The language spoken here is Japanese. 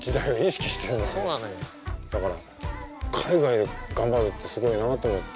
だから海外で頑張るってすごいなと思って。